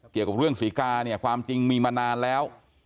เกี่ยวกับเรื่องศรีกาเนี่ยความจริงมีมานานแล้ว